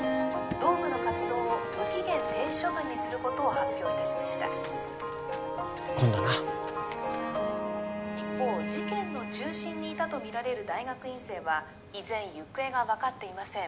同部の活動を無期限停止処分にすることを発表いたしました今度な一方事件の中心にいたとみられる大学院生は依然行方が分かっていません